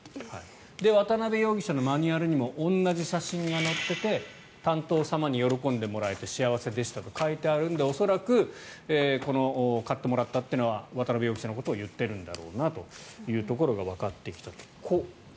で、渡邊容疑者のマニュアルにも同じ写真が載っていて担当様に喜んでもらえて幸せでしたと書いてあるので恐らくこの買ってもらったというのは渡邊容疑者のことを言っているんだろうなというところがわかってきたと。